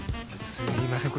すいません